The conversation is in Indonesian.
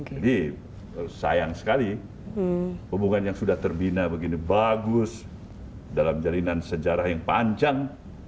jadi sayang sekali hubungan yang sudah terbina begini bagus dalam jalinan sejarah yang panjang